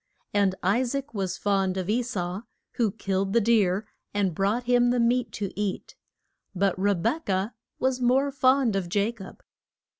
And I saac was fond of E sau, who killed the deer, and brought him the meat to eat. But Re bek ah was more fond of Ja cob.